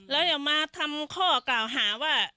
แล้วอย่ามาทำข้อกล่าวหาว่า